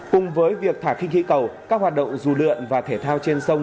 cùng với việc thả khinh khí cầu các hoạt động dù lượn và thể thao trên sông